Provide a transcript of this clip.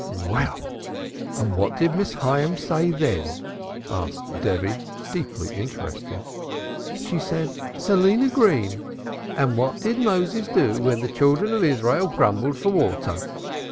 "Well, and what did Miss Hyams say then?" asked Debby, deeply interested. "She said: 'Selina Green, and what did Moses do when the Children of Israel grumbled for water?'